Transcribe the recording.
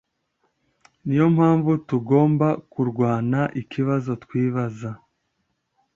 Niyo mpamvu tugomba kurwana ikibazo twibaza